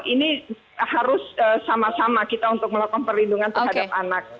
ini harus sama sama kita untuk melakukan perlindungan terhadap anak